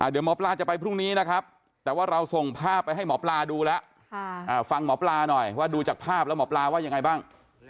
เดี๋ยวหมอปลาจะไปพรุ่งนี้นะครับแต่ว่าเราส่งภาพไปให้หมอปลาดูแล้วฟังหมอปลาหน่อยว่าดูจากภาพแล้วหมอปลาว่ายังไงบ้าง